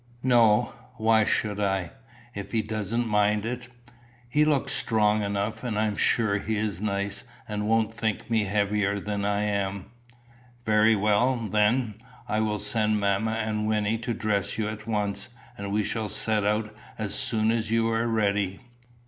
"No. Why should I, if he doesn't mind it? He looks strong enough; and I am sure he is nice, and won't think me heavier than I am." "Very well, then. I will send mamma and Wynnie to dress you at once; and we shall set out as soon as you are ready."